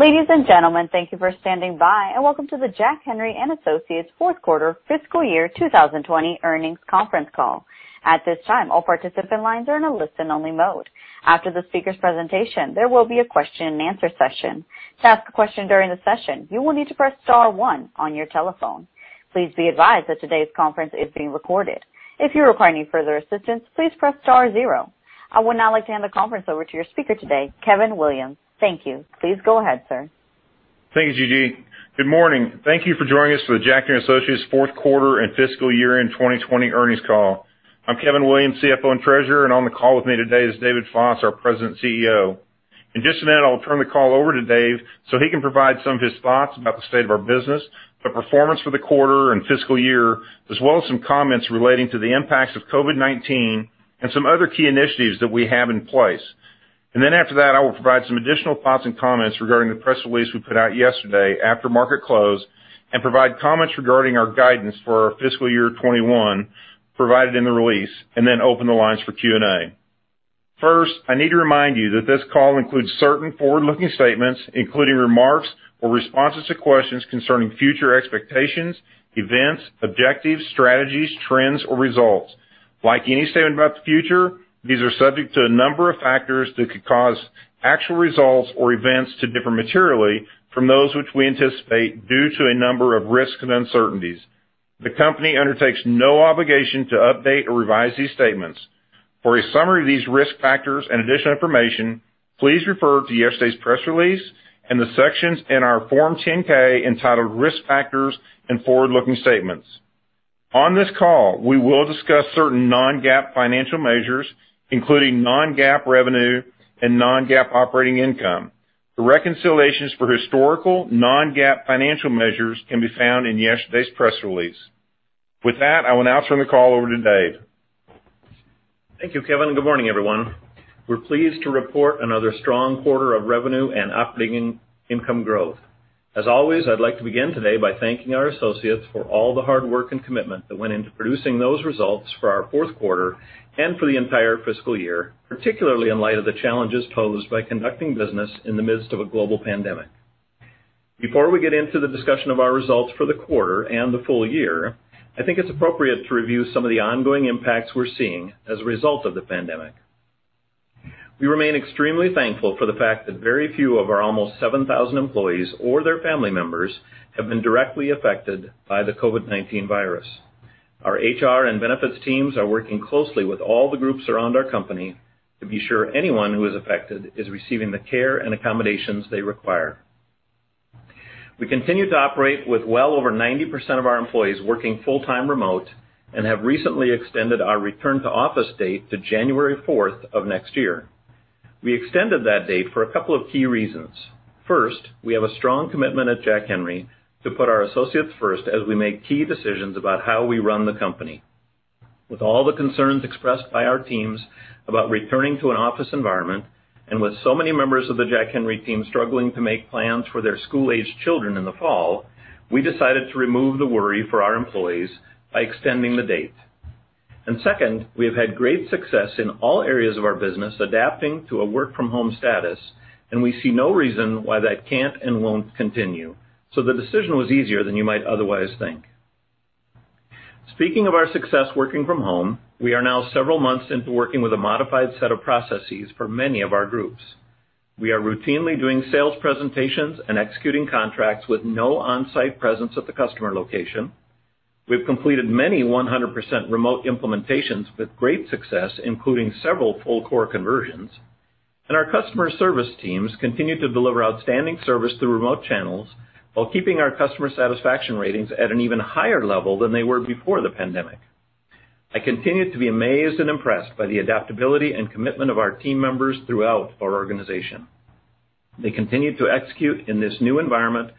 Ladies and gentlemen, thank you for standing by, and welcome to the Jack Henry & Associates Fourth Quarter Fiscal Year 2020 Earnings Conference Call. At this time, all participant lines are in a listen-only mode. After the speaker's presentation, there will be a question-and-answer session. To ask a question during the session, you will need to press star one on your telephone. Please be advised that today's conference is being recorded. If you require any further assistance, please press star zero. I would now like to hand the conference over to your speaker today, Kevin Williams. Thank you. Please go ahead, sir. Thank you, Gigi. Good morning. Thank you for joining us for the Jack Henry & Associates Fourth Quarter and Fiscal Year End 2020 Earnings Call. I'm Kevin Williams, CFO and Treasurer, and on the call with me today is David Foss, our President and CEO. In just a minute, I'll turn the call over to Dave so he can provide some of his thoughts about the state of our business, the performance for the quarter and fiscal year, as well as some comments relating to the impacts of COVID-19 and some other key initiatives that we have in place, and then after that, I will provide some additional thoughts and comments regarding the press release we put out yesterday after market close and provide comments regarding our guidance for our fiscal year 2021 provided in the release, and then open the lines for Q&A. First, I need to remind you that this call includes certain forward-looking statements, including remarks or responses to questions concerning future expectations, events, objectives, strategies, trends, or results. Like any statement about the future, these are subject to a number of factors that could cause actual results or events to differ materially from those which we anticipate due to a number of risks and uncertainties. The company undertakes no obligation to update or revise these statements. For a summary of these risk factors and additional information, please refer to yesterday's press release and the sections in our Form 10-K entitled Risk Factors and Forward-Looking Statements. On this call, we will discuss certain non-GAAP financial measures, including non-GAAP revenue and non-GAAP operating income. The reconciliations for historical non-GAAP financial measures can be found in yesterday's press release. With that, I will now turn the call over to Dave. Thank you, Kevin. Good morning, everyone. We're pleased to report another strong quarter of revenue and operating income growth. As always, I'd like to begin today by thanking our associates for all the hard work and commitment that went into producing those results for our fourth quarter and for the entire fiscal year, particularly in light of the challenges posed by conducting business in the midst of a global pandemic. Before we get into the discussion of our results for the quarter and the full year, I think it's appropriate to review some of the ongoing impacts we're seeing as a result of the pandemic. We remain extremely thankful for the fact that very few of our almost 7,000 employees or their family members have been directly affected by the COVID-19 virus. Our HR and benefits teams are working closely with all the groups around our company to be sure anyone who is affected is receiving the care and accommodations they require. We continue to operate with well over 90% of our employees working full-time remote and have recently extended our return-to-office date to January 4th of next year. We extended that date for a couple of key reasons. First, we have a strong commitment at Jack Henry to put our associates first as we make key decisions about how we run the company. With all the concerns expressed by our teams about returning to an office environment and with so many members of the Jack Henry team struggling to make plans for their school-aged children in the fall, we decided to remove the worry for our employees by extending the date. And second, we have had great success in all areas of our business adapting to a work-from-home status, and we see no reason why that can't and won't continue. So the decision was easier than you might otherwise think. Speaking of our success working from home, we are now several months into working with a modified set of processes for many of our groups. We are routinely doing sales presentations and executing contracts with no on-site presence at the customer location. We've completed many 100% remote implementations with great success, including several full-core conversions. And our customer service teams continue to deliver outstanding service through remote channels while keeping our customer satisfaction ratings at an even higher level than they were before the pandemic. I continue to be amazed and impressed by the adaptability and commitment of our team members throughout our organization. They continue to execute in this new environment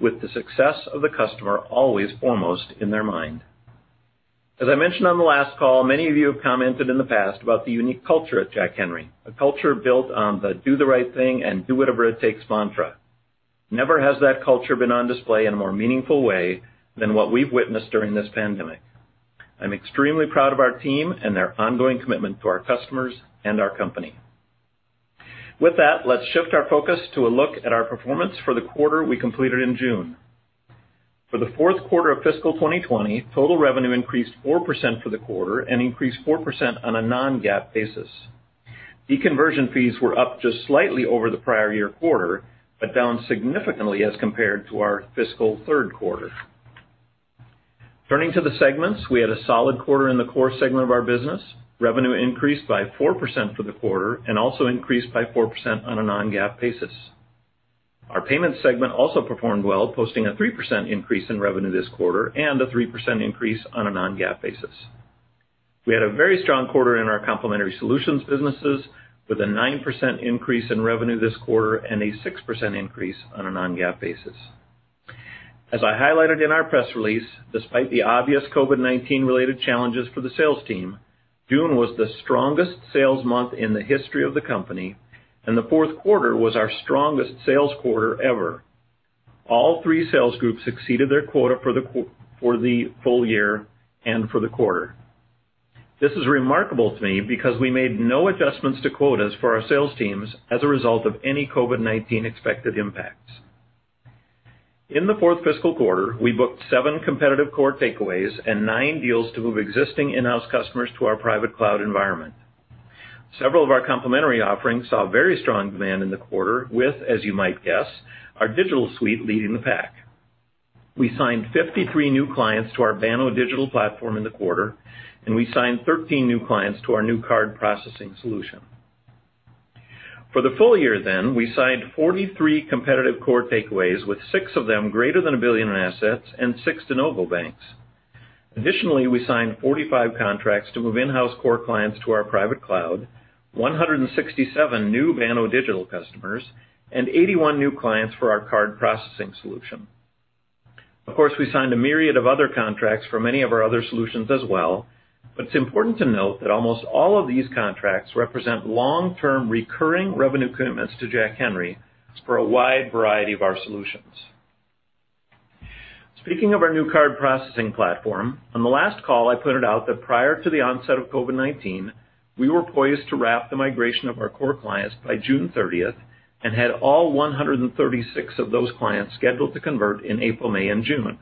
with the success of the customer always foremost in their mind. As I mentioned on the last call, many of you have commented in the past about the unique culture at Jack Henry, a culture built on the do-the-right-thing-and-do-whatever-it-takes mantra. Never has that culture been on display in a more meaningful way than what we've witnessed during this pandemic. I'm extremely proud of our team and their ongoing commitment to our customers and our company. With that, let's shift our focus to a look at our performance for the quarter we completed in June. For the fourth quarter of fiscal 2020, total revenue increased 4% for the quarter and increased 4% on a non-GAAP basis. Deconversion fees were up just slightly over the prior year quarter but down significantly as compared to our fiscal third quarter. Turning to the segments, we had a solid quarter in the core segment of our business. Revenue increased by 4% for the quarter and also increased by 4% on a non-GAAP basis. Our payments segment also performed well, posting a 3% increase in revenue this quarter and a 3% increase on a non-GAAP basis. We had a very strong quarter in our complementary solutions businesses with a 9% increase in revenue this quarter and a 6% increase on a non-GAAP basis. As I highlighted in our press release, despite the obvious COVID-19-related challenges for the sales team, June was the strongest sales month in the history of the company, and the fourth quarter was our strongest sales quarter ever. All three sales groups exceeded their quota for the full year and for the quarter. This is remarkable to me because we made no adjustments to quotas for our sales teams as a result of any COVID-19 expected impacts. In the fourth fiscal quarter, we booked seven competitive core takeaways and nine deals to move existing in-house customers to our Private Cloud environment. Several of our complementary offerings saw very strong demand in the quarter, with, as you might guess, our digital suite leading the pack. We signed 53 new clients to our Banno Digital Platform in the quarter, and we signed 13 new clients to our new card processing solution. For the full year, then, we signed 43 competitive core takeaways, with six of them greater than a billion in assets and six to de novo banks. Additionally, we signed 45 contracts to move in-house core clients to our Private Cloud, 167 new Banno digital customers, and 81 new clients for our card processing solution. Of course, we signed a myriad of other contracts for many of our other solutions as well, but it's important to note that almost all of these contracts represent long-term recurring revenue commitments to Jack Henry for a wide variety of our solutions. Speaking of our new card processing platform, on the last call, I pointed out that prior to the onset of COVID-19, we were poised to wrap the migration of our core clients by June 30th and had all 136 of those clients scheduled to convert in April, May, and June.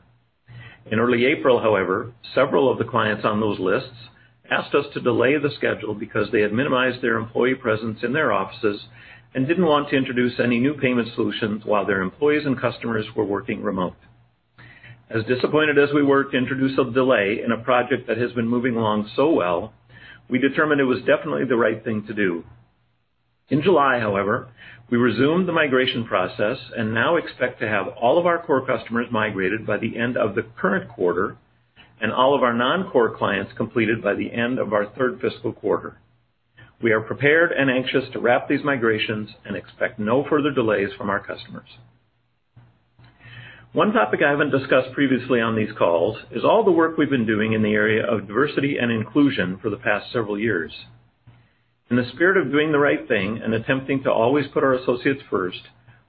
In early April, however, several of the clients on those lists asked us to delay the schedule because they had minimized their employee presence in their offices and didn't want to introduce any new payment solutions while their employees and customers were working remote. As disappointed as we were to introduce a delay in a project that has been moving along so well, we determined it was definitely the right thing to do. In July, however, we resumed the migration process and now expect to have all of our core customers migrated by the end of the current quarter and all of our non-core clients completed by the end of our third fiscal quarter. We are prepared and anxious to wrap these migrations and expect no further delays from our customers. One topic I haven't discussed previously on these calls is all the work we've been doing in the area of diversity and inclusion for the past several years. In the spirit of doing the right thing and attempting to always put our associates first,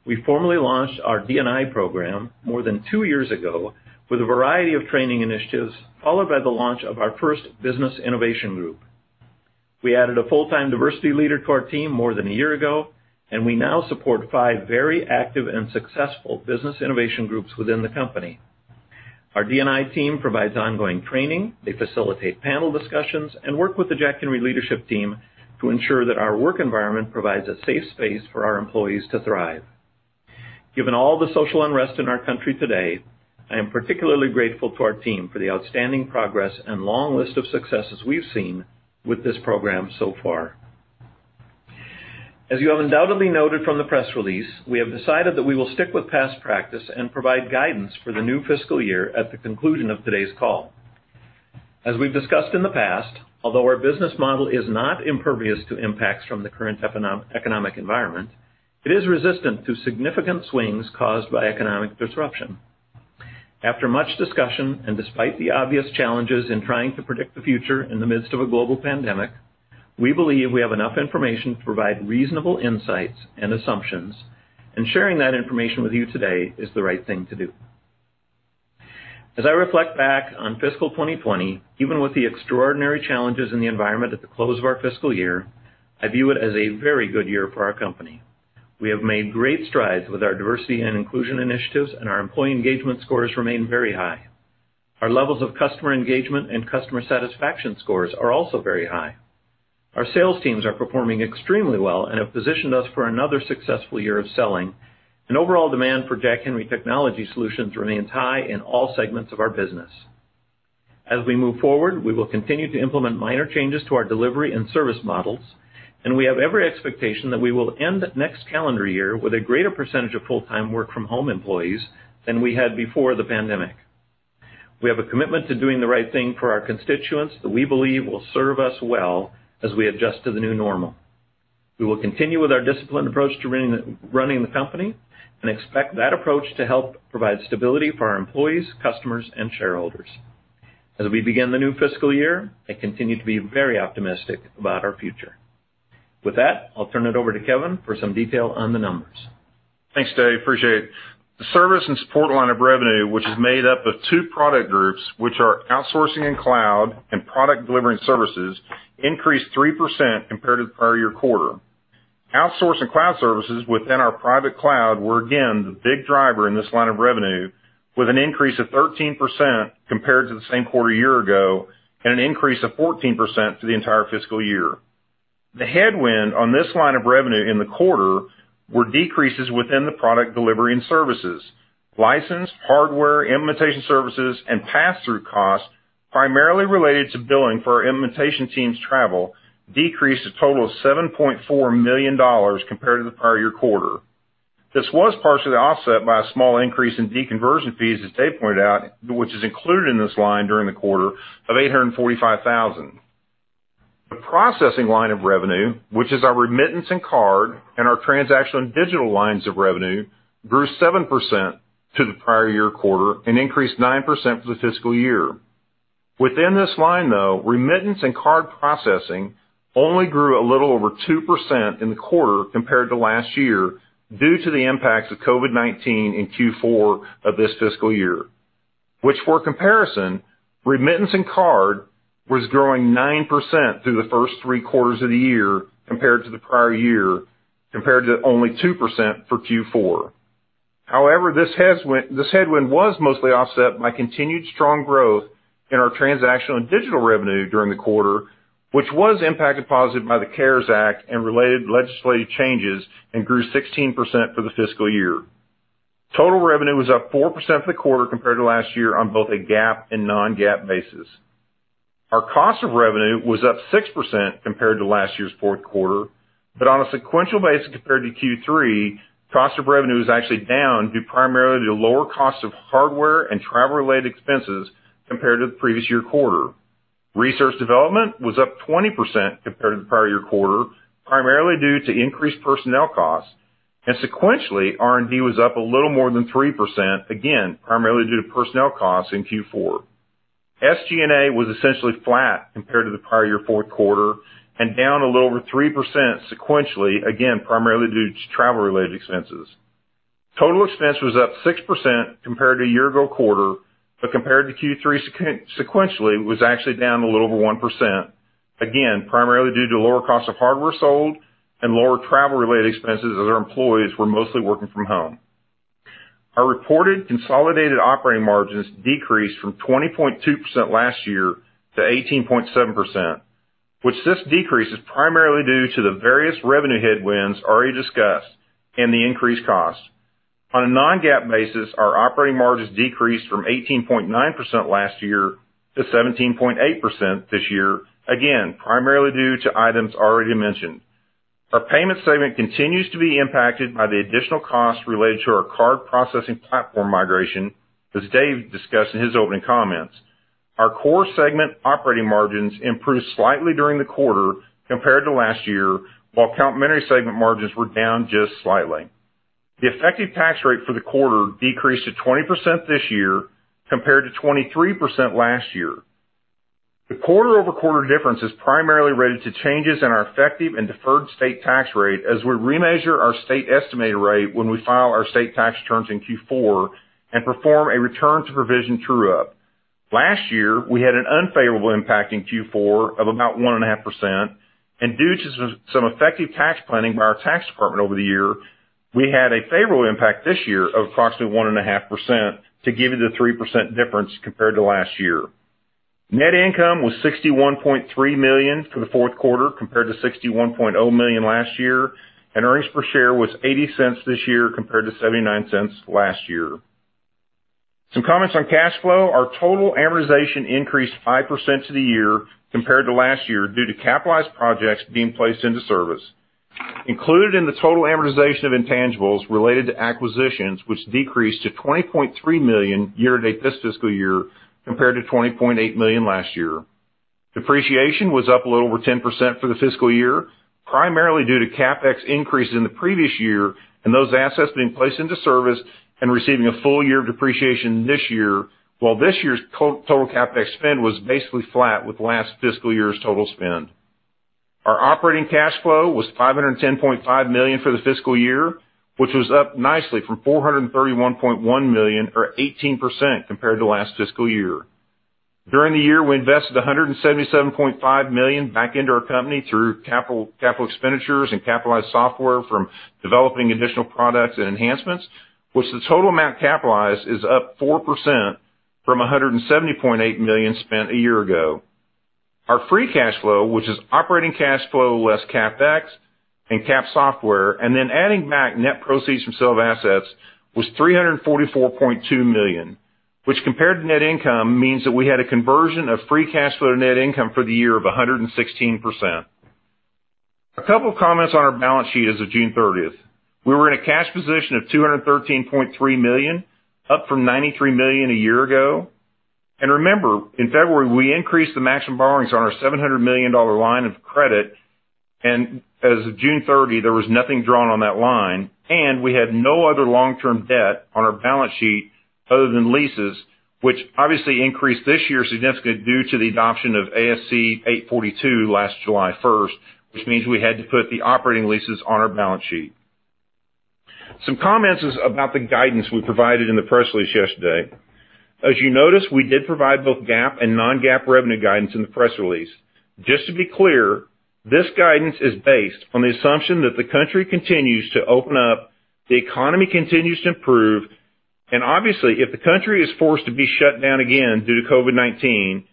we formally launched our D&I program more than two years ago with a variety of training initiatives followed by the launch of our first Business Innovation Group. We added a full-time diversity leader to our team more than a year ago, and we now support five very active and successful Business Innovation Groups within the company. Our D&I team provides ongoing training, they facilitate panel discussions, and work with the Jack Henry leadership team to ensure that our work environment provides a safe space for our employees to thrive. Given all the social unrest in our country today, I am particularly grateful to our team for the outstanding progress and long list of successes we've seen with this program so far. As you have undoubtedly noted from the press release, we have decided that we will stick with past practice and provide guidance for the new fiscal year at the conclusion of today's call. As we've discussed in the past, although our business model is not impervious to impacts from the current economic environment, it is resistant to significant swings caused by economic disruption. After much discussion and despite the obvious challenges in trying to predict the future in the midst of a global pandemic, we believe we have enough information to provide reasonable insights and assumptions, and sharing that information with you today is the right thing to do. As I reflect back on fiscal 2020, even with the extraordinary challenges in the environment at the close of our fiscal year, I view it as a very good year for our company. We have made great strides with our diversity and inclusion initiatives, and our employee engagement scores remain very high. Our levels of customer engagement and customer satisfaction scores are also very high. Our sales teams are performing extremely well and have positioned us for another successful year of selling, and overall demand for Jack Henry technology solutions remains high in all segments of our business. As we move forward, we will continue to implement minor changes to our delivery and service models, and we have every expectation that we will end next calendar year with a greater percentage of full-time work-from-home employees than we had before the pandemic. We have a commitment to doing the right thing for our constituents that we believe will serve us well as we adjust to the new normal. We will continue with our disciplined approach to running the company and expect that approach to help provide stability for our employees, customers, and shareholders. As we begin the new fiscal year, I continue to be very optimistic about our future. With that, I'll turn it over to Kevin for some detail on the numbers. Thanks, Dave. I appreciate it. The service and support line of revenue, which is made up of two product groups, which are outsourcing and cloud and product delivery services, increased 3% compared to the prior year quarter. Outsourcing cloud services within our Private Cloud were, again, the big driver in this line of revenue, with an increase of 13% compared to the same quarter year ago and an increase of 14% for the entire fiscal year. The headwind on this line of revenue in the quarter were decreases within the product delivery and services. License, hardware, implementation services, and pass-through costs, primarily related to billing for our implementation team's travel, decreased a total of $7.4 million compared to the prior year quarter. This was partially offset by a small increase in deconversion fees, as Dave pointed out, which is included in this line during the quarter of $845,000. The processing line of revenue, which is our remittance and card and our transactional and digital lines of revenue, grew 7% to the prior year quarter and increased 9% for the fiscal year. Within this line, though, remittance and card processing only grew a little over 2% in the quarter compared to last year due to the impacts of COVID-19 in Q4 of this fiscal year. Which, for comparison, remittance and card was growing 9% through the first three quarters of the year compared to the prior year, compared to only 2% for Q4. However, this headwind was mostly offset by continued strong growth in our transactional and digital revenue during the quarter, which was impacted positively by the CARES Act and related legislative changes and grew 16% for the fiscal year. Total revenue was up 4% for the quarter compared to last year on both a GAAP and non-GAAP basis. Our cost of revenue was up 6% compared to last year's fourth quarter, but on a sequential basis compared to Q3, cost of revenue was actually down due primarily to lower costs of hardware and travel-related expenses compared to the previous year quarter. Research and development was up 20% compared to the prior year quarter, primarily due to increased personnel costs, and sequentially, R&D was up a little more than 3%, again, primarily due to personnel costs in Q4. SG&A was essentially flat compared to the prior year fourth quarter and down a little over 3% sequentially, again, primarily due to travel-related expenses. Total expense was up 6% compared to a year ago quarter, but compared to Q3 sequentially, it was actually down a little over 1%, again, primarily due to lower costs of hardware sold and lower travel-related expenses as our employees were mostly working from home. Our reported consolidated operating margins decreased from 20.2% last year to 18.7%, which this decrease is primarily due to the various revenue headwinds already discussed and the increased costs. On a non-GAAP basis, our operating margins decreased from 18.9% last year to 17.8% this year, again, primarily due to items already mentioned. Our payment segment continues to be impacted by the additional costs related to our card processing platform migration, as Dave discussed in his opening comments. Our core segment operating margins improved slightly during the quarter compared to last year, while complementary segment margins were down just slightly. The effective tax rate for the quarter decreased to 20% this year compared to 23% last year. The quarter-over-quarter difference is primarily related to changes in our effective and deferred state tax rate as we remeasure our state estimated rate when we file our state tax returns in Q4 and perform a return-to-provision true-up. Last year, we had an unfavorable impact in Q4 of about 1.5%, and due to some effective tax planning by our tax department over the year, we had a favorable impact this year of approximately 1.5% to give you the 3% difference compared to last year. Net income was $61.3 million for the fourth quarter compared to $61.0 million last year, and earnings per share was $0.80 this year compared to $0.79 last year. Some comments on cash flow. Our total amortization increased 5% to the year compared to last year due to capitalized projects being placed into service. Included in the total amortization of intangibles related to acquisitions, which decreased to $20.3 million year-to-date this fiscal year compared to $20.8 million last year. Depreciation was up a little over 10% for the fiscal year, primarily due to CapEx increases in the previous year and those assets being placed into service and receiving a full year of depreciation this year, while this year's total CapEx spend was basically flat with last fiscal year's total spend. Our operating cash flow was $510.5 million for the fiscal year, which was up nicely from $431.1 million, or 18% compared to last fiscal year. During the year, we invested $177.5 million back into our company through capital expenditures and capitalized software from developing additional products and enhancements, which the total amount capitalized is up 4% from $170.8 million spent a year ago. Our free cash flow, which is operating cash flow less CapEx and Cap software, and then adding back net proceeds from sale of assets, was $344.2 million, which compared to net income means that we had a conversion of free cash flow to net income for the year of 116%. A couple of comments on our balance sheet as of June 30th. We were in a cash position of $213.3 million, up from $93 million a year ago. Remember, in February, we increased the maximum borrowings on our $700 million line of credit, and as of June 30, there was nothing drawn on that line, and we had no other long-term debt on our balance sheet other than leases, which obviously increased this year significantly due to the adoption of ASC 842 last July 1st, which means we had to put the operating leases on our balance sheet. Some comments about the guidance we provided in the press release yesterday. As you noticed, we did provide both GAAP and non-GAAP revenue guidance in the press release. Just to be clear, this guidance is based on the assumption that the country continues to open up, the economy continues to improve, and obviously, if the country is forced to be shut down again due to COVID-19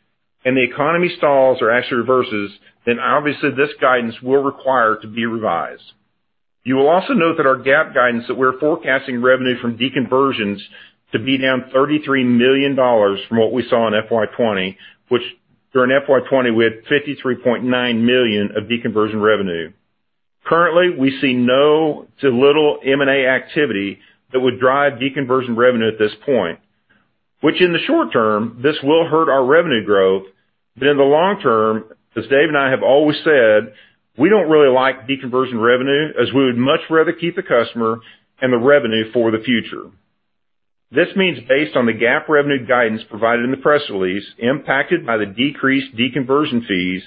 and the economy stalls or actually reverses, then obviously this guidance will require to be revised. You will also note that our GAAP guidance that we're forecasting revenue from deconversions to be down $33 million from what we saw in FY20, which during FY20, we had $53.9 million of deconversion revenue. Currently, we see no to little M&A activity that would drive deconversion revenue at this point, which in the short term, this will hurt our revenue growth, but in the long term, as Dave and I have always said, we don't really like deconversion revenue as we would much rather keep the customer and the revenue for the future. This means based on the GAAP revenue guidance provided in the press release impacted by the decreased deconversion fees,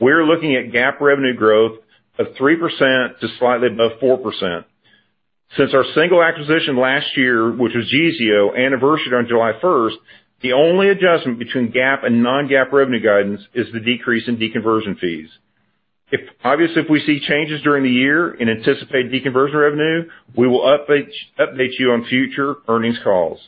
we're looking at GAAP revenue growth of 3% to slightly above 4%. Since our single acquisition last year, which was Geezeo, anniversary on July 1st, the only adjustment between GAAP and non-GAAP revenue guidance is the decrease in deconversion fees. Obviously, if we see changes during the year and anticipate deconversion revenue, we will update you on future earnings calls.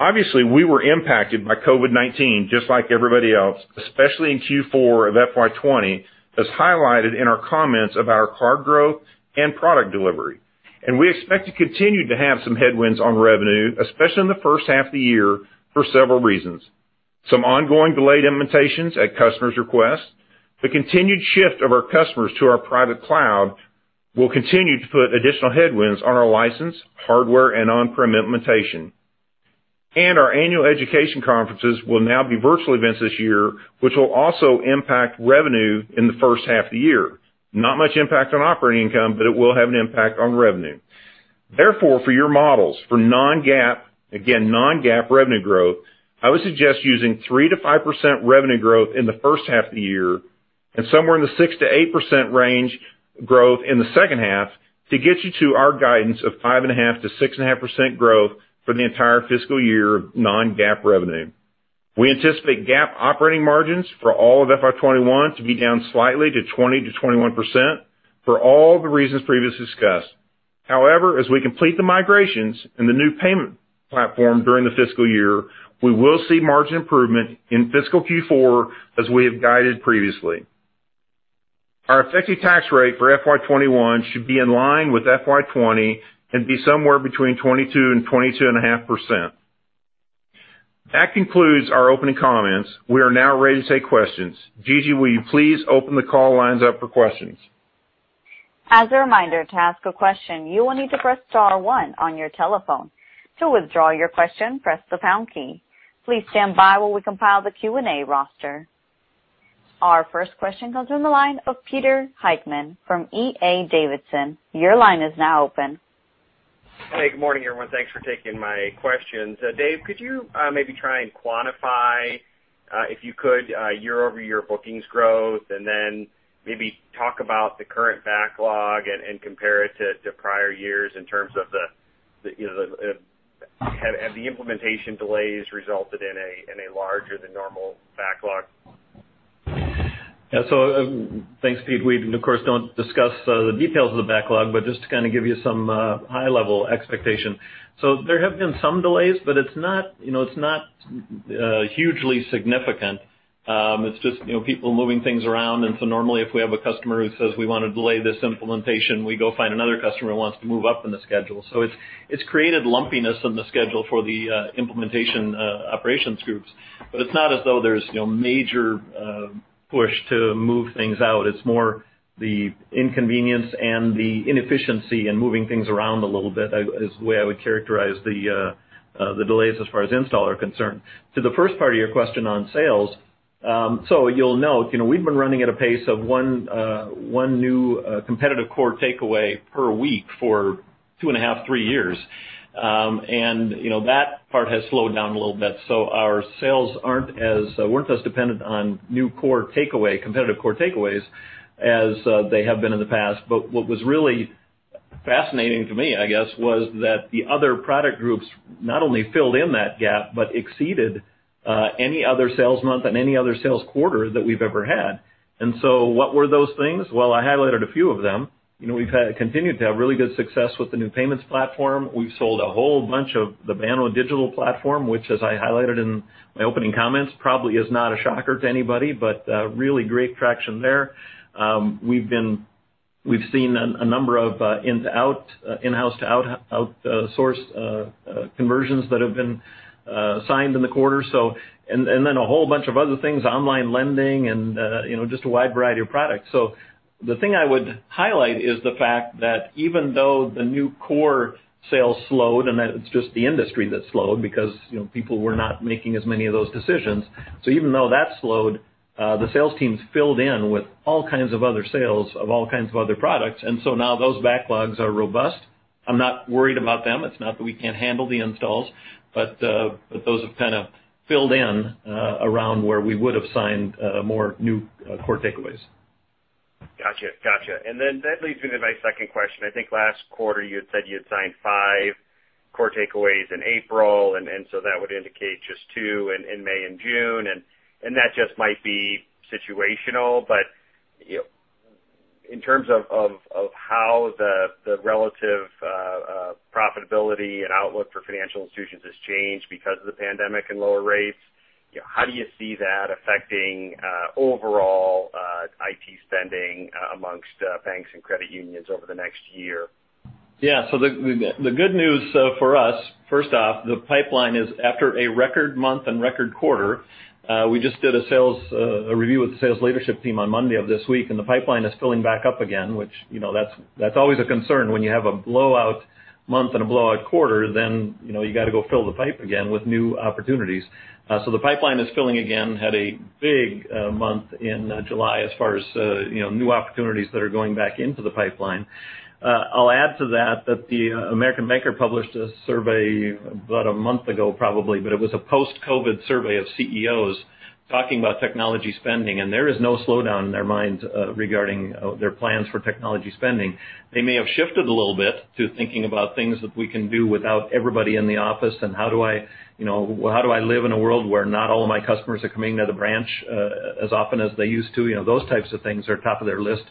Obviously, we were impacted by COVID-19 just like everybody else, especially in Q4 of FY20, as highlighted in our comments about our card growth and product delivery. And we expect to continue to have some headwinds on revenue, especially in the first half of the year for several reasons. Some ongoing delayed implementations at customer's request, the continued shift of our customers to our Private Cloud will continue to put additional headwinds on our license, hardware, and on-prem implementation, and our annual education conferences will now be virtual events this year, which will also impact revenue in the first half of the year. Not much impact on operating income, but it will have an impact on revenue. Therefore, for your models, for non-GAAP, again, non-GAAP revenue growth, I would suggest using 3%-5% revenue growth in the first half of the year and somewhere in the 6%-8% range growth in the second half to get you to our guidance of 5.5%-6.5% growth for the entire fiscal year of non-GAAP revenue. We anticipate GAAP operating margins for all of FY21 to be down slightly to 20%-21% for all the reasons previously discussed. However, as we complete the migrations and the new payment platform during the fiscal year, we will see margin improvement in fiscal Q4 as we have guided previously. Our effective tax rate for FY21 should be in line with FY20 and be somewhere between 22% and 22.5%. That concludes our opening comments. We are now ready to take questions. Gigi, will you please open the call lines up for questions? As a reminder to ask a question, you will need to press star one on your telephone. To withdraw your question, press the pound key. Please stand by while we compile the Q&A roster. Our first question comes from the line of Peter Heckmann from D.A. Davidson. Your line is now open. Hey, good morning, everyone. Thanks for taking my questions. Dave, could you maybe try and quantify, if you could, year-over-year bookings growth and then maybe talk about the current backlog and compare it to prior years in terms of whether the implementation delays resulted in a larger than normal backlog? Yeah, so thanks, Peter. We of course don't discuss the details of the backlog, but just to kind of give you some high-level expectation. So there have been some delays, but it's not hugely significant. It's just people moving things around. And so normally, if we have a customer who says, "We want to delay this implementation," we go find another customer who wants to move up in the schedule. So it's created lumpiness in the schedule for the implementation operations groups. But it's not as though there's a major push to move things out. It's more the inconvenience and the inefficiency in moving things around a little bit is the way I would characterize the delays as far as install are concerned. To the first part of your question on sales, so you'll note we've been running at a pace of one new competitive core takeaway per week for two and a half to three years. And that part has slowed down a little bit. So our sales weren't as dependent on new core takeaway, competitive core takeaways, as they have been in the past. But what was really fascinating to me, I guess, was that the other product groups not only filled in that gap, but exceeded any other sales month and any other sales quarter that we've ever had. And so what were those things? Well, I highlighted a few of them. We've continued to have really good success with the new payments platform. We've sold a whole bunch of the Banno Digital Platform, which, as I highlighted in my opening comments, probably is not a shocker to anybody, but really great traction there. We've seen a number of in-house to outsourced conversions that have been signed in the quarter. And then a whole bunch of other things, online lending and just a wide variety of products. So the thing I would highlight is the fact that even though the new core sales slowed and that it's just the industry that slowed because people were not making as many of those decisions, so even though that slowed, the sales teams filled in with all kinds of other sales of all kinds of other products. And so now those backlogs are robust. I'm not worried about them. It's not that we can't handle the installs, but those have kind of filled in around where we would have signed more new core takeaways. Gotcha. Gotcha. And then that leads me to my second question. I think last quarter you had said you had signed five core takeaways in April, and so that would indicate just two in May and June. And that just might be situational. But in terms of how the relative profitability and outlook for financial institutions has changed because of the pandemic and lower rates, how do you see that affecting overall IT spending amongst banks and credit unions over the next year? Yeah. So the good news for us, first off, the pipeline is after a record month and record quarter. We just did a sales review with the sales leadership team on Monday of this week, and the pipeline is filling back up again, which that's always a concern when you have a blowout month and a blowout quarter. Then you got to go fill the pipe again with new opportunities. So the pipeline is filling again, had a big month in July as far as new opportunities that are going back into the pipeline. I'll add to that that the American Banker published a survey about a month ago, probably, but it was a post-COVID survey of CEOs talking about technology spending, and there is no slowdown in their minds regarding their plans for technology spending. They may have shifted a little bit to thinking about things that we can do without everybody in the office and how do I live in a world where not all of my customers are coming to the branch as often as they used to. Those types of things are top of their list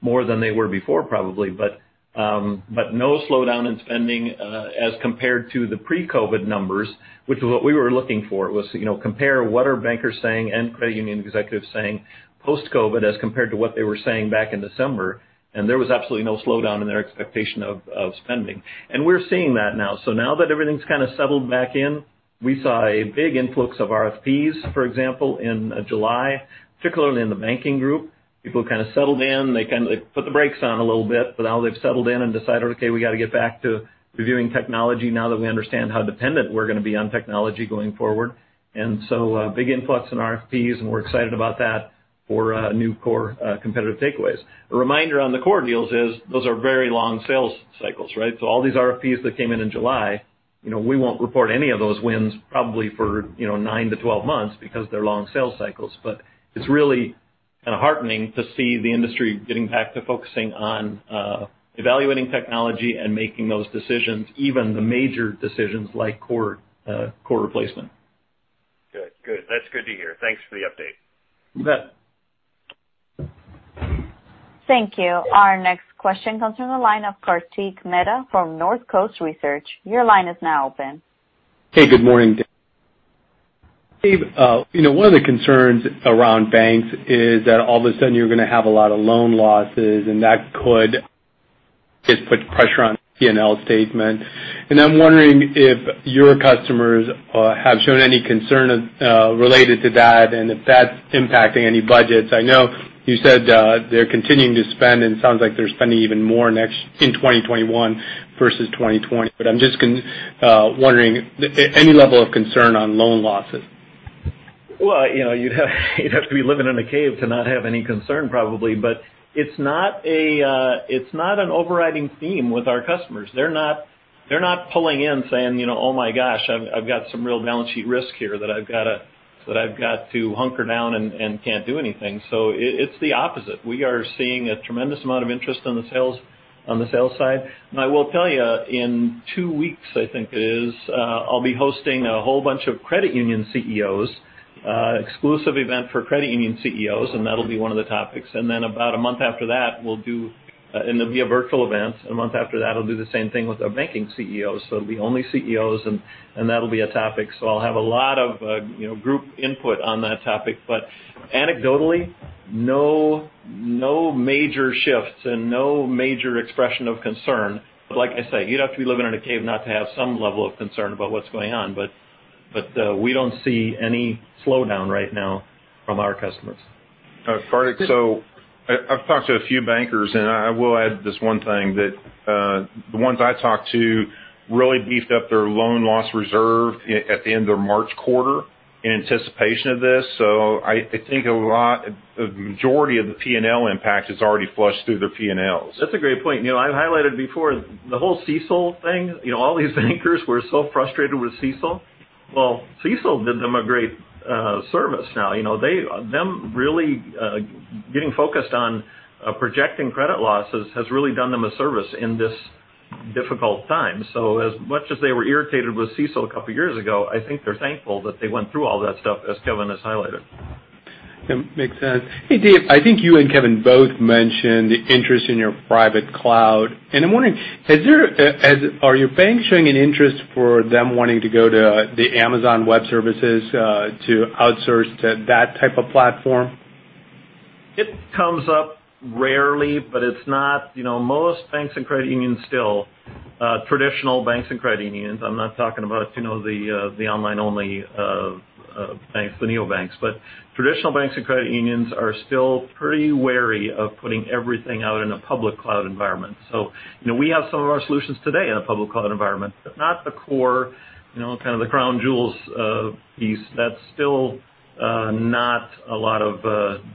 more than they were before, probably, but no slowdown in spending as compared to the pre-COVID numbers, which was what we were looking for. It was compare what are bankers saying and credit union executives saying post-COVID as compared to what they were saying back in December, and there was absolutely no slowdown in their expectation of spending, and we're seeing that now, so now that everything's kind of settled back in, we saw a big influx of RFPs, for example, in July, particularly in the banking group. People kind of settled in. They kind of put the brakes on a little bit, but now they've settled in and decided, "Okay, we got to get back to reviewing technology now that we understand how dependent we're going to be on technology going forward," and so big influx in RFPs, and we're excited about that for new core competitive takeaways. A reminder on the core deals is those are very long sales cycles, right, so all these RFPs that came in in July, we won't report any of those wins probably for nine to 12 months because they're long sales cycles, but it's really kind of heartening to see the industry getting back to focusing on evaluating technology and making those decisions, even the major decisions like core replacement. Good. Good. That's good to hear. Thanks for the update. You bet. Thank you. Our next question comes from the line of Karthik Mehta from North Coast Research. Your line is now open. Hey, good morning, Dave. Dave, one of the concerns around banks is that all of a sudden you're going to have a lot of loan losses, and that could just put pressure on the P&L statement, and I'm wondering if your customers have shown any concern related to that and if that's impacting any budgets. I know you said they're continuing to spend, and it sounds like they're spending even more in 2021 versus 2020, but I'm just wondering, any level of concern on loan losses? Well, you'd have to be living in a cave to not have any concern, probably. But it's not an overriding theme with our customers. They're not pulling in saying, "Oh my gosh, I've got some real balance sheet risk here that I've got to hunker down and can't do anything." So it's the opposite. We are seeing a tremendous amount of interest on the sales side. Now, I will tell you, in two weeks, I think it is, I'll be hosting a whole bunch of credit union CEOs, exclusive event for credit union CEOs, and that'll be one of the topics. And then about a month after that, we'll do, and there'll be a virtual event. And a month after that, I'll do the same thing with our banking CEOs. So it'll be only CEOs, and that'll be a topic. So, I'll have a lot of group input on that topic. But anecdotally, no major shifts and no major expression of concern. But like I say, you'd have to be living in a cave not to have some level of concern about what's going on. But we don't see any slowdown right now from our customers. All right. So I've talked to a few bankers, and I will add this one thing that the ones I talked to really beefed up their loan loss reserve at the end of March quarter in anticipation of this. So I think a majority of the P&L impact has already flushed through their P&Ls. That's a great point. I highlighted before the whole CECL thing. All these bankers were so frustrated with CECL. CECL did them a great service now. Them really getting focused on projecting credit losses has really done them a service in this difficult time. As much as they were irritated with CECL a couple of years ago, I think they're thankful that they went through all that stuff, as Kevin has highlighted. That makes sense. Hey, Dave, I think you and Kevin both mentioned the interest in your Private Cloud. And I'm wondering, are your banks showing an interest for them wanting to go to the Amazon Web Services to outsource to that type of platform? It comes up rarely, but it's not most banks and credit unions still, traditional banks and credit unions. I'm not talking about the online-only banks, the neobanks. But traditional banks and credit unions are still pretty wary of putting everything out in a public cloud environment. So we have some of our solutions today in a public cloud environment, but not the core, kind of the crown jewels piece. That's still not a lot of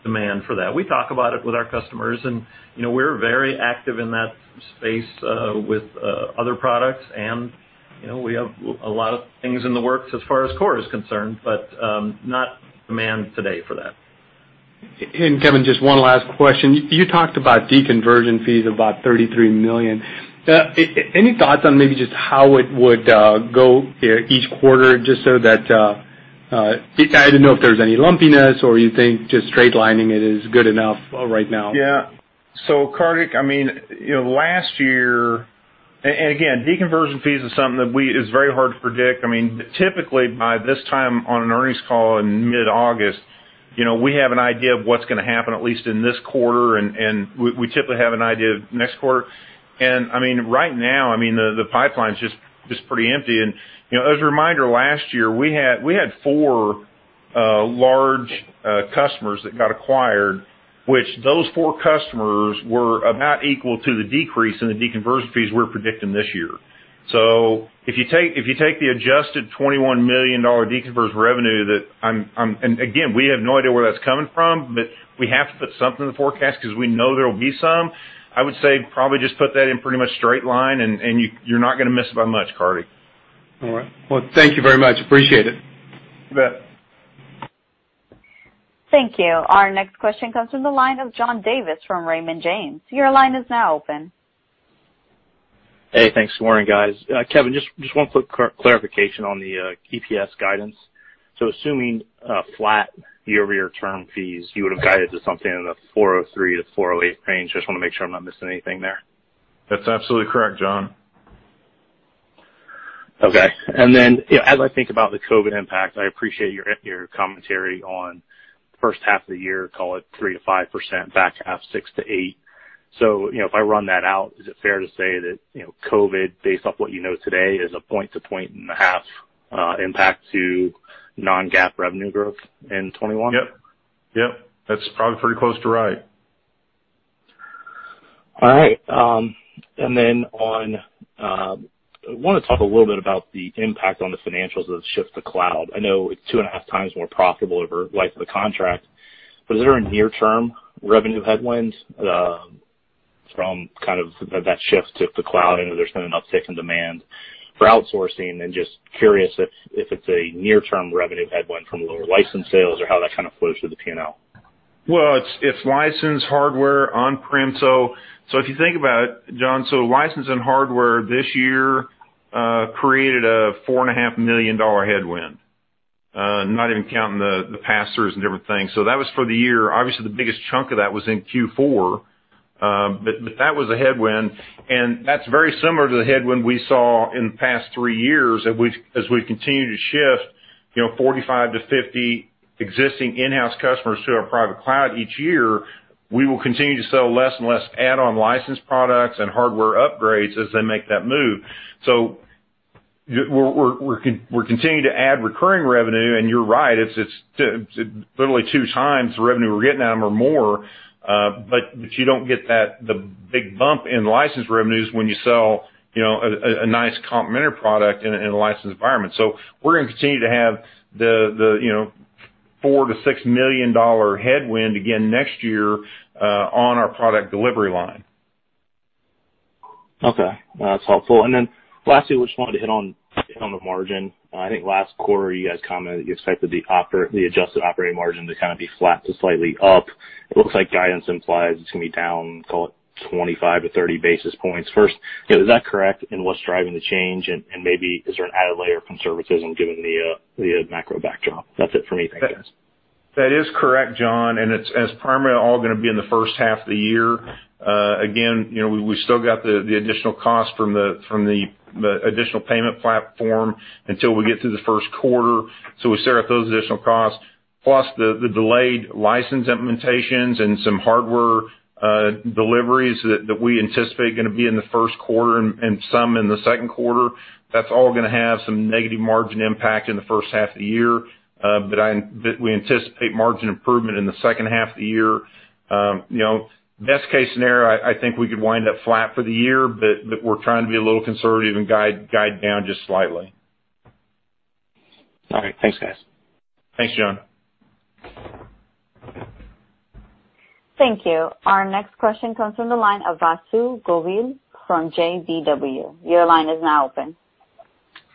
demand for that. We talk about it with our customers, and we're very active in that space with other products, and we have a lot of things in the works as far as core is concerned, but not demand today for that. And Kevin, just one last question. You talked about deconversion fees of about $33 million. Any thoughts on maybe just how it would go each quarter just so that I don't know if there's any lumpiness or you think just straightlining it is good enough right now? Yeah. So Karthik, I mean, last year, and again, deconversion fees is something that is very hard to predict. I mean, typically by this time on an earnings call in mid-August, we have an idea of what's going to happen, at least in this quarter, and we typically have an idea of next quarter. And I mean, right now, I mean, the pipeline is just pretty empty. And as a reminder, last year, we had four large customers that got acquired, which those four customers were about equal to the decrease in the deconversion fees we're predicting this year. So if you take the adjusted $21 million deconversion revenue that, and again, we have no idea where that's coming from, but we have to put something in the forecast because we know there will be some. I would say probably just put that in pretty much straight line, and you're not going to miss by much, Karthik. All right. Well, thank you very much. Appreciate it. You bet. Thank you. Our next question comes from the line of John Davis from Raymond James. Your line is now open. Hey, thanks for waiting, guys. Kevin, just one quick clarification on the EPS guidance. So assuming flat year-over-year term fees, you would have guided to something in the $4.03-$4.08 range. I just want to make sure I'm not missing anything there. That's absolutely correct, John. Okay. And then as I think about the COVID impact, I appreciate your commentary on the first half of the year, call it 3%-5%, back half 6%-8%. So if I run that out, is it fair to say that COVID, based off what you know today, is one point to one and a half impact to non-GAAP revenue growth in 2021? Yep. Yep. That's probably pretty close to right. All right. And then I want to talk a little bit about the impact on the financials of the shift to cloud. I know it's two and a half times more profitable over the life of the contract. But is there a near-term revenue headwind from kind of that shift to the cloud? I know there's been an uptick in demand for outsourcing, and just curious if it's a near-term revenue headwind from lower license sales or how that kind of flows through the P&L. It's licensed hardware on-prem. If you think about it, John, licensed and hardware this year created a $4.5 million headwind, not even counting the pass-throughs and different things. That was for the year. Obviously, the biggest chunk of that was in Q4, but that was a headwind. That's very similar to the headwind we saw in the past three years. As we continue to shift 45-50 existing in-house customers to our Private Cloud each year, we will continue to sell less and less add-on license products and hardware upgrades as they make that move. We're continuing to add recurring revenue, and you're right. It's literally two times the revenue we're getting out of them or more, but you don't get the big bump in license revenues when you sell a nice complementary product in a licensed environment. We're going to continue to have the $4 million-$6 million headwind again next year on our product delivery line. Okay. That's helpful. And then lastly, we just wanted to hit on the margin. I think last quarter, you guys commented you expected the adjusted operating margin to kind of be flat to slightly up. It looks like guidance implies it's going to be down, call it 25-30 basis points. First, is that correct? And what's driving the change? And maybe is there an added layer of conservatism given the macro backdrop? That's it for me. Thank you, guys. That is correct, John, and it's primarily all going to be in the first half of the year. Again, we've still got the additional cost from the additional payment platform until we get through the first quarter, so we set out those additional costs, plus the delayed license implementations and some hardware deliveries that we anticipate going to be in the first quarter and some in the second quarter. That's all going to have some negative margin impact in the first half of the year, but we anticipate margin improvement in the second half of the year. Best case scenario, I think we could wind up flat for the year, but we're trying to be a little conservative and guide down just slightly. All right. Thanks, guys. Thanks, John. Thank you. Our next question comes from the line of Vasu Govil from KBW. Your line is now open.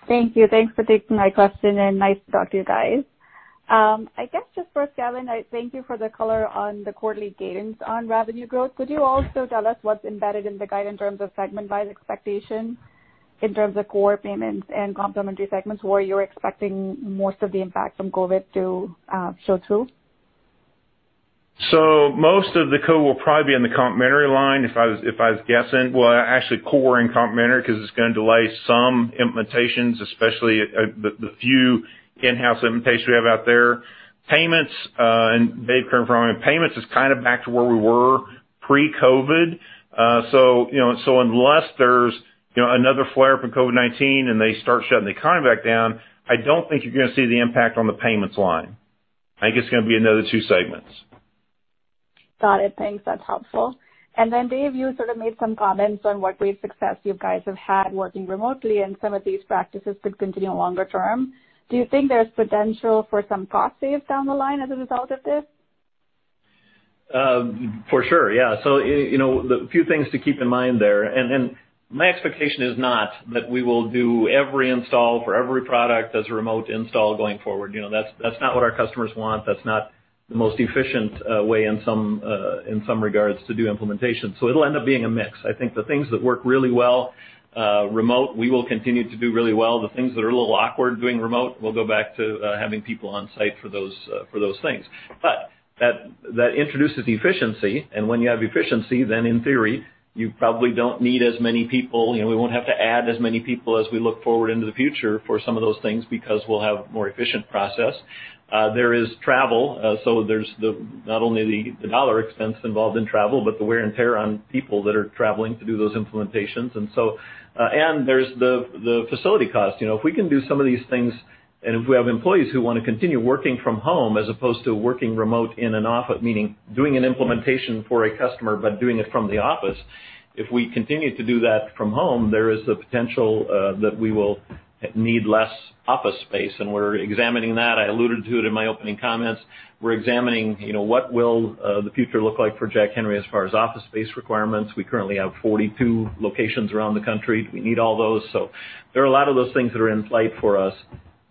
Thank you. Thanks for taking my question, and nice to talk to you guys. I guess just first, Kevin, thank you for the color on the quarterly cadence on revenue growth. Could you also tell us what's embedded in the guide in terms of segment-wise expectation in terms of core payments and complementary segments? Were you expecting most of the impact from COVID to show through? So most of the COVID will probably be on the complementary line, if I was guessing. Well, actually, core and complementary because it's going to delay some implementations, especially the few in-house implementations we have out there. Payments, and Dave can confirm, payments is kind of back to where we were pre-COVID. So unless there's another flare-up in COVID-19 and they start shutting the economy back down, I don't think you're going to see the impact on the payments line. I think it's going to be another two segments. Got it. Thanks. That's helpful. And then, Dave, you sort of made some comments on what great success you guys have had working remotely, and some of these practices could continue longer term. Do you think there's potential for some cost saves down the line as a result of this? For sure. Yeah. So a few things to keep in mind there, and my expectation is not that we will do every install for every product as a remote install going forward. That's not what our customers want. That's not the most efficient way in some regards to do implementation, so it'll end up being a mix. I think the things that work really well remote, we will continue to do really well. The things that are a little awkward doing remote, we'll go back to having people on-site for those things, but that introduces efficiency, and when you have efficiency, then in theory, you probably don't need as many people. We won't have to add as many people as we look forward into the future for some of those things because we'll have a more efficient process. There is travel. So there's not only the dollar expense involved in travel, but the wear and tear on people that are traveling to do those implementations. And there's the facility cost. If we can do some of these things, and if we have employees who want to continue working from home as opposed to working remote in and off, meaning doing an implementation for a customer but doing it from the office, if we continue to do that from home, there is the potential that we will need less office space. And we're examining that. I alluded to it in my opening comments. We're examining what will the future look like for Jack Henry as far as office space requirements. We currently have 42 locations around the country. We need all those. So there are a lot of those things that are in play for us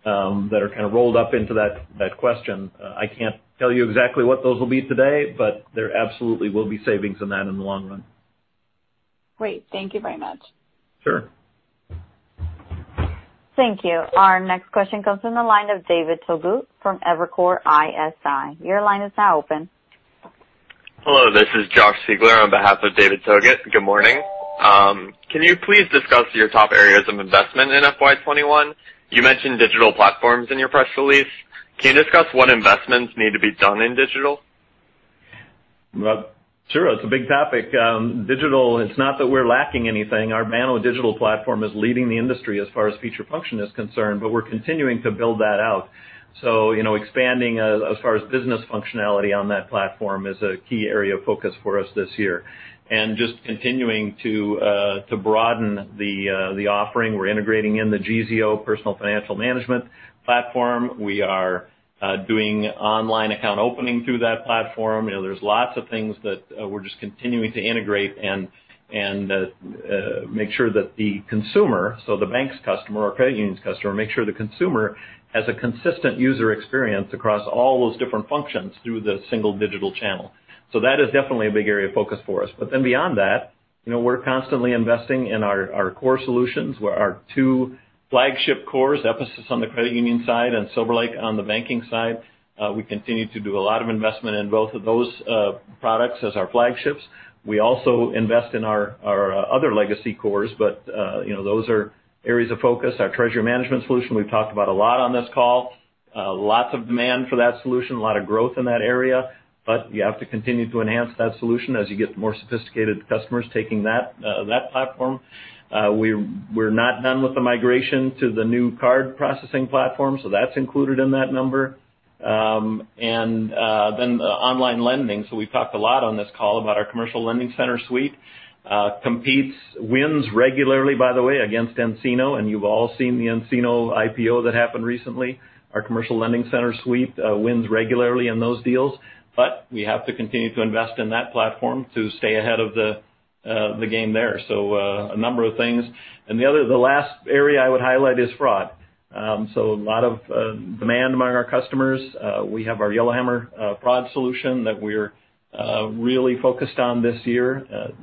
that are kind of rolled up into that question. I can't tell you exactly what those will be today, but there absolutely will be savings in that in the long run. Great. Thank you very much. Sure. Thank you. Our next question comes from the line of David Togut from Evercore ISI. Your line is now open. Hello. This is Josh Siegler on behalf of David Togut. Good morning. Can you please discuss your top areas of investment in FY21? You mentioned digital platforms in your press release. Can you discuss what investments need to be done in digital? Sure. It's a big topic. Digital, it's not that we're lacking anything. Our Banno Digital Platform is leading the industry as far as feature function is concerned, but we're continuing to build that out, so expanding as far as business functionality on that platform is a key area of focus for us this year, and just continuing to broaden the offering. We're integrating in the Geezeo personal financial management platform. We are doing online account opening through that platform. There's lots of things that we're just continuing to integrate and make sure that the consumer, so the bank's customer or credit union's customer, make sure the consumer has a consistent user experience across all those different functions through the single digital channel, so that is definitely a big area of focus for us, but then beyond that, we're constantly investing in our core solutions. have our two flagship cores, Episys on the credit union side and SilverLake on the banking side. We continue to do a lot of investment in both of those products as our flagships. We also invest in our other legacy cores, but those are areas of focus. Our treasury management solution; we've talked about a lot on this call. Lots of demand for that solution, a lot of growth in that area, but you have to continue to enhance that solution as you get more sophisticated customers taking that platform. We're not done with the migration to the new card processing platform, so that's included in that number, and then online lending, so we've talked a lot on this call about our Commercial Lending Center suite. It competes and wins regularly, by the way, against nCino, and you've all seen the nCino IPO that happened recently. Our Commercial Lending Center suite wins regularly in those deals. But we have to continue to invest in that platform to stay ahead of the game there. So a number of things. And the last area I would highlight is fraud. So a lot of demand among our customers. We have our Yellowhammer fraud solution that we're really focused on this year,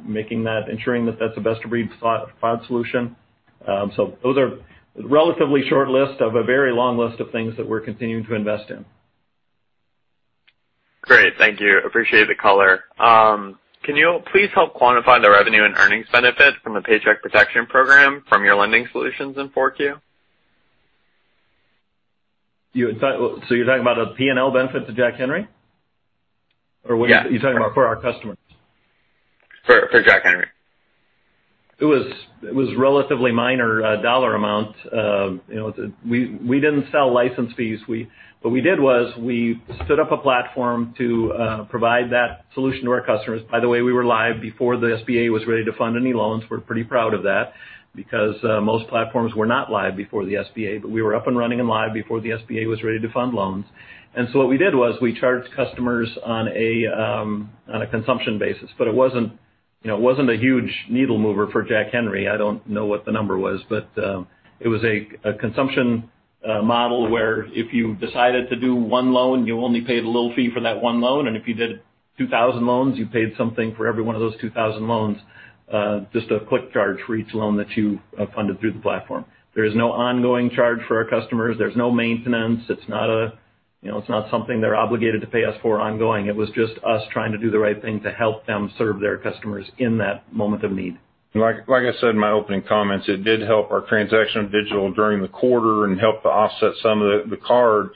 ensuring that that's a best-of-breed fraud solution. So those are a relatively short list of a very long list of things that we're continuing to invest in. Great. Thank you. Appreciate the color. Can you please help quantify the revenue and earnings benefit from the Paycheck Protection Program from your lending solutions in 4Q? So you're talking about a P&L benefit to Jack Henry? Or what are you talking about for our customers? For Jack Henry. It was a relatively minor dollar amount. We didn't sell license fees. What we did was we stood up a platform to provide that solution to our customers. By the way, we were live before the SBA was ready to fund any loans. We're pretty proud of that because most platforms were not live before the SBA, but we were up and running and live before the SBA was ready to fund loans, and so what we did was we charged customers on a consumption basis, but it wasn't a huge needle mover for Jack Henry. I don't know what the number was, but it was a consumption model where if you decided to do one loan, you only paid a little fee for that one loan. If you did 2,000 loans, you paid something for every one of those 2,000 loans, just a click charge for each loan that you funded through the platform. There is no ongoing charge for our customers. There's no maintenance. It's not something they're obligated to pay us for ongoing. It was just us trying to do the right thing to help them serve their customers in that moment of need. Like I said in my opening comments, it did help our transactional digital during the quarter and helped to offset some of the card.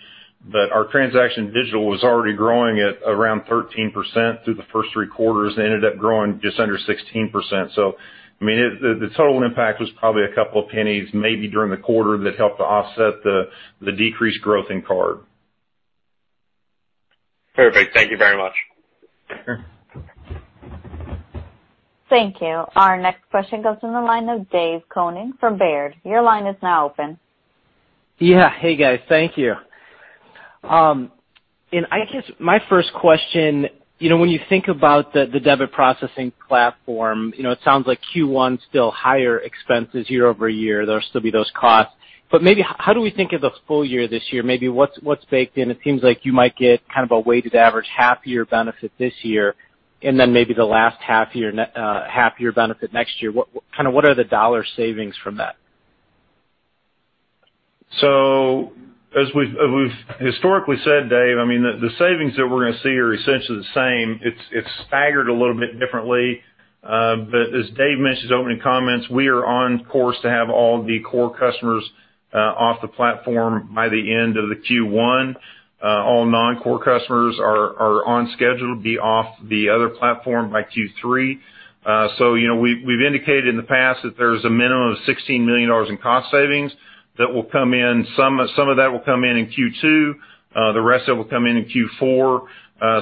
But our transactional digital was already growing at around 13% through the first three quarters and ended up growing just under 16%. I mean, the total impact was probably a couple of pennies, maybe during the quarter that helped to offset the decreased growth in card. Perfect. Thank you very much. Thank you. Our next question comes from the line of Dave Koning from Baird. Your line is now open. Yeah. Hey, guys. Thank you. And I guess my first question, when you think about the debit processing platform, it sounds like Q1 is still higher expenses year over year. There'll still be those costs. But maybe how do we think of the full year this year? Maybe what's baked in? It seems like you might get kind of a weighted average half-year benefit this year, and then maybe the last half-year benefit next year. Kind of what are the dollar savings from that? So as we've historically said, Dave, I mean, the savings that we're going to see are essentially the same. It's staggered a little bit differently. But as Dave mentioned in his opening comments, we are on course to have all the core customers off the platform by the end of the Q1. All non-core customers are on schedule to be off the other platform by Q3. So we've indicated in the past that there's a minimum of $16 million in cost savings that will come in. Some of that will come in in Q2. The rest of it will come in in Q4.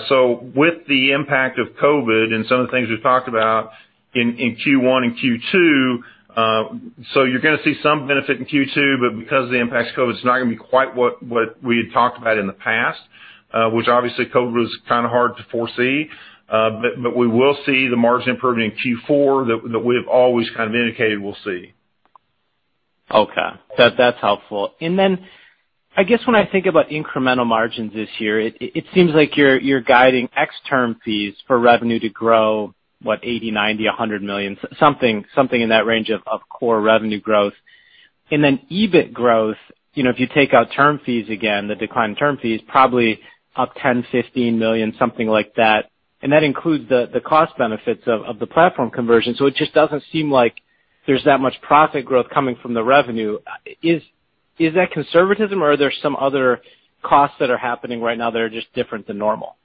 So, with the impact of COVID and some of the things we've talked about in Q1 and Q2, so you're going to see some benefit in Q2, but because of the impacts of COVID, it's not going to be quite what we had talked about in the past, which obviously COVID was kind of hard to foresee. But we will see the margin improvement in Q4 that we've always kind of indicated we'll see. Okay. That's helpful. And then I guess when I think about incremental margins this year, it seems like you're guiding ex term fees for revenue to grow, what, $80 million-$100 million, something in that range of core revenue growth. And then EBIT growth, if you take out term fees again, the decline in term fees, probably up $10 million-$15 million, something like that. And that includes the cost benefits of the platform conversion. So it just doesn't seem like there's that much profit growth coming from the revenue. Is that conservatism, or are there some other costs that are happening right now that are just different than normal?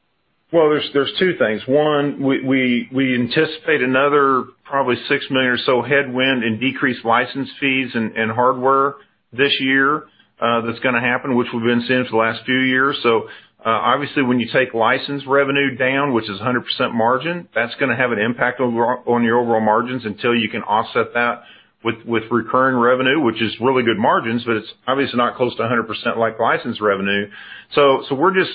There's two things. One, we anticipate another probably $6 million or so headwind and decreased license fees and hardware this year that's going to happen, which we've been seeing for the last few years. So obviously, when you take license revenue down, which is 100% margin, that's going to have an impact on your overall margins until you can offset that with recurring revenue, which is really good margins, but it's obviously not close to 100% like license revenue. So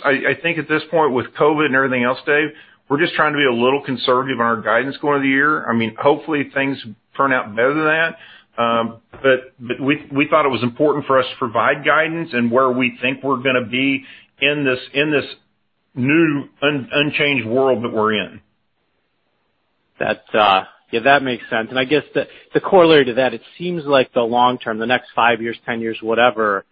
I think at this point, with COVID and everything else, Dave, we're just trying to be a little conservative on our guidance going into the year. I mean, hopefully, things turn out better than that. But we thought it was important for us to provide guidance and where we think we're going to be in this new unchanged world that we're in. Yeah. That makes sense. And I guess the corollary to that, it seems like the long term, the next five years, 10 years, whatever,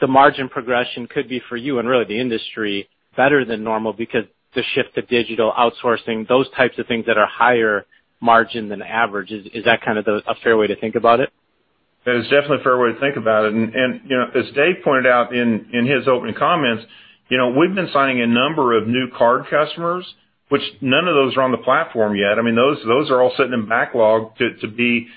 the margin progression could be for you and really the industry better than normal because the shift to digital, outsourcing, those types of things that are higher margin than average. Is that kind of a fair way to think about it? That is definitely a fair way to think about it. And as Dave pointed out in his opening comments, we've been signing a number of new card customers, which none of those are on the platform yet. I mean, those are all sitting in backlog to be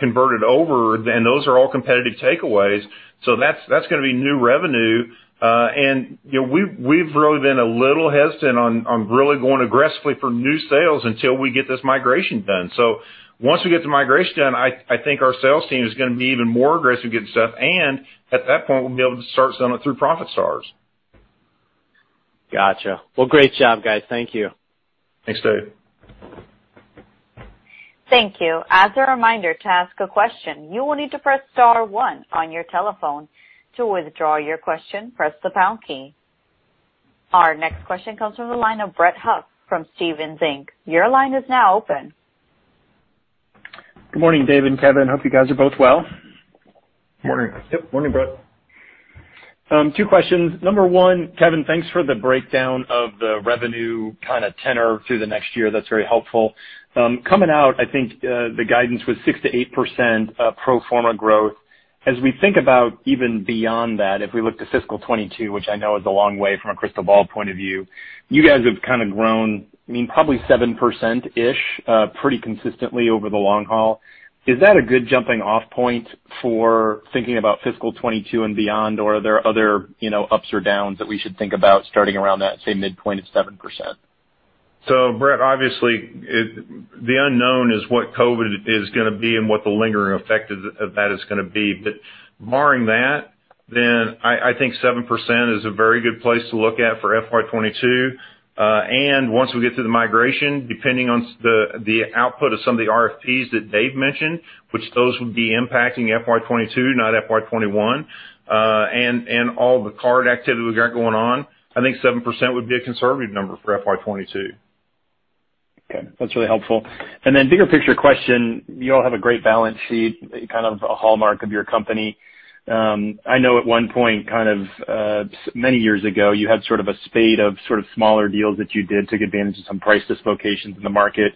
converted over, and those are all competitive takeaways. So that's going to be new revenue. And we've really been a little hesitant on really going aggressively for new sales until we get this migration done. So once we get the migration done, I think our sales team is going to be even more aggressive getting stuff. And at that point, we'll be able to start selling it through ProfitStars. Gotcha. Well, great job, guys. Thank you. Thanks, Dave. Thank you. As a reminder to ask a question, you will need to press star one on your telephone. To withdraw your question, press the pound key. Our next question comes from the line of Brett Huff from Stephens Inc. Your line is now open. Good morning, David and Kevin. Hope you guys are both well. Morning. Yep. Morning, Brett. Two questions. Number one, Kevin, thanks for the breakdown of the revenue kind of tenor through the next year. That's very helpful. Coming out, I think the guidance was 6 to 8% pro forma growth. As we think about even beyond that, if we look to fiscal 2022, which I know is a long way from a crystal ball point of view, you guys have kind of grown, I mean, probably 7%-ish pretty consistently over the long haul. Is that a good jumping-off point for thinking about fiscal 2022 and beyond, or are there other ups or downs that we should think about starting around that, say, midpoint of 7%? So Brett, obviously, the unknown is what COVID is going to be and what the lingering effect of that is going to be. But barring that, then I think 7% is a very good place to look at for FY22. And once we get through the migration, depending on the output of some of the RFPs that Dave mentioned, which those would be impacting FY22, not FY21, and all the card activity we've got going on, I think 7% would be a conservative number for FY22. Okay. That's really helpful. And then bigger picture question, you all have a great balance sheet, kind of a hallmark of your company. I know at one point, kind of many years ago, you had sort of a spate of sort of smaller deals that you did, took advantage of some price dislocations in the market.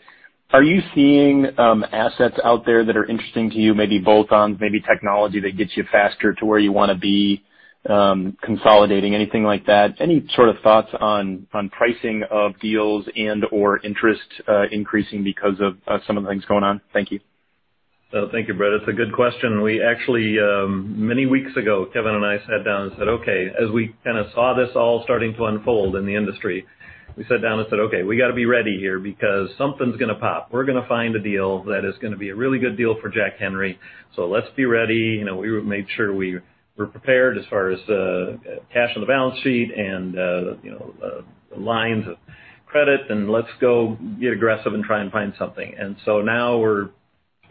Are you seeing assets out there that are interesting to you, maybe bolt-ons, maybe technology that gets you faster to where you want to be, consolidating, anything like that? Any sort of thoughts on pricing of deals and/or interest increasing because of some of the things going on? Thank you. Thank you, Brett. That's a good question. Many weeks ago, Kevin and I sat down and said, "Okay." As we kind of saw this all starting to unfold in the industry, we sat down and said, "Okay. We got to be ready here because something's going to pop. We're going to find a deal that is going to be a really good deal for Jack Henry. So let's be ready." We made sure we were prepared as far as cash on the balance sheet and lines of credit, and let's go get aggressive and try and find something. And so now we're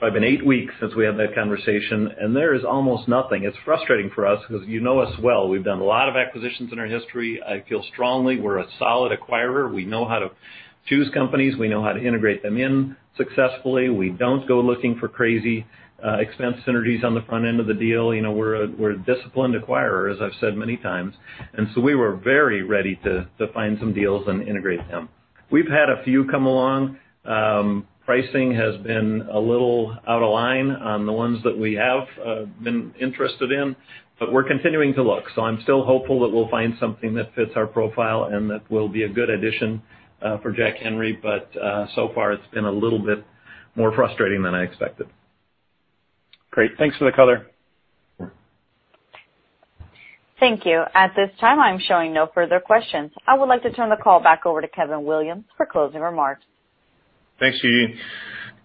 probably been eight weeks since we had that conversation, and there is almost nothing. It's frustrating for us because you know us well. We've done a lot of acquisitions in our history. I feel strongly we're a solid acquirer. We know how to choose companies. We know how to integrate them in successfully. We don't go looking for crazy expense synergies on the front end of the deal. We're a disciplined acquirer, as I've said many times, and so we were very ready to find some deals and integrate them. We've had a few come along. Pricing has been a little out of line on the ones that we have been interested in, but we're continuing to look, so I'm still hopeful that we'll find something that fits our profile and that will be a good addition for Jack Henry, but so far, it's been a little bit more frustrating than I expected. Great. Thanks for the color. Thank you. At this time, I'm showing no further questions. I would like to turn the call back over to Kevin Williams for closing remarks. Thanks, Eugene.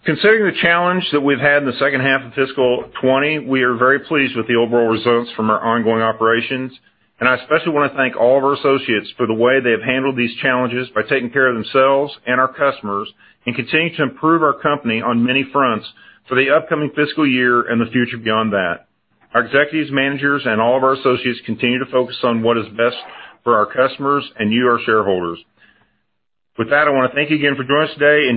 Considering the challenge that we've had in the second half of fiscal 2020, we are very pleased with the overall results from our ongoing operations. And I especially want to thank all of our associates for the way they have handled these challenges by taking care of themselves and our customers and continue to improve our company on many fronts for the upcoming fiscal year and the future beyond that. Our executives, managers, and all of our associates continue to focus on what is best for our customers and you, our shareholders. With that, I want to thank you again for joining us today and.